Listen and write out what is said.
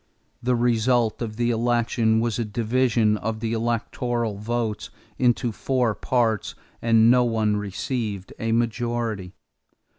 The result of the election was a division of the electoral votes into four parts and no one received a majority.